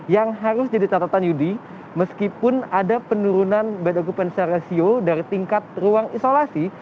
yang harus jadi catatan yudi meskipun ada penurunan bed occupancy ratio dari tingkat ruang isolasi